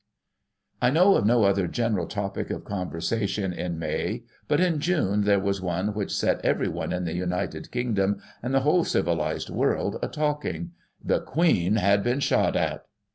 I know of no other general topic of conversation in May, but, in June, there was one which set every one in the United Kingdom, and the whole civihzed world, a talking. — The Queen had been Shot at!!!